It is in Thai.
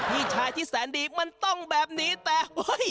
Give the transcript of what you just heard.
พี่ชายที่แสนดีมันต้องแบบนี้แต่เฮ้ย